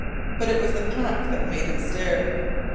But it was the pack that made him stare.